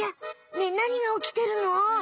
ねえ何がおきてるの？